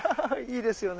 いいですよね。